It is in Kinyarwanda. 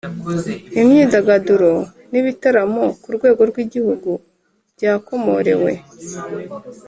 Imyidagaduro n’ ibitaramo ku rwego rw ‘Igihugu byakomorewe